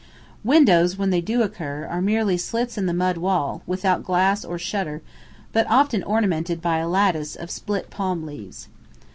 Windows, when they do occur, are merely slits in the mud wall, without glass or shutter, but often ornamented by a lattice of split palm leaves.